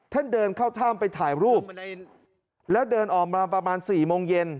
เดินเข้าถ้ำไปถ่ายรูปแล้วเดินออกมาประมาณ๔โมงเย็น